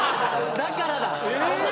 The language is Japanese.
だからだ！え！